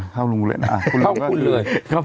เท่าลุงเลยนะคุณลุงก็คือ